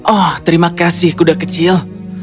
oh terima kasih kuda kecil